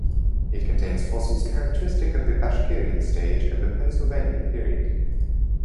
It contains fossils characteristic of the Bashkirian stage of the Pennsylvanian period.